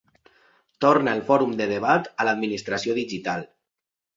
Torna el fòrum de debat de l'administració digital.